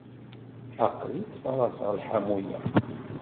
Aql-i ttfaraṣeɣ lḥamu-ya.